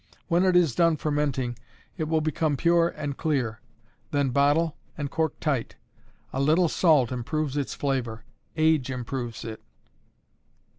When it is done fermenting it will become pure and clear. Then bottle, and cork tight. A little salt improves its flavor; age improves it.